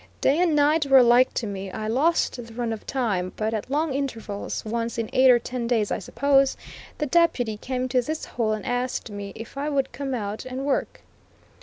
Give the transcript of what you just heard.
Day and night were alike to me; I lost the run of time; but at long intervals, once in eight or ten days, I suppose, the Deputy came to this hole and asked me if I would come out and work.